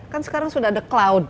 kan sekarang sudah ada cloud